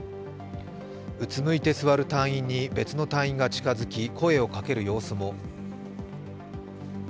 うつむいて座る隊員に別の隊員が近づき声をかける様子も。